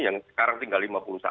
yang sekarang tinggal lima puluh satu